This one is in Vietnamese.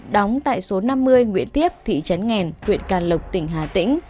đóng tại số năm mươi nguyễn thiếp thị trấn nghèn huyện càn lộc tỉnh hà tĩnh